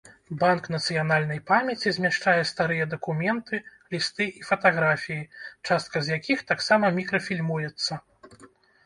Банк нацыянальнай памяці змяшчае старыя дакументы, лісты і фатаграфіі, частка з якіх таксама мікрафільмуецца.